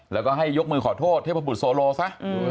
แล้วก็ให้ยกมือขอโทษเทพบุตรโซโลซะ